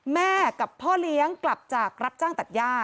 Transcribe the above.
แม่กับพ่อเลี้ยงกลับจากรับจ้างตัดย่า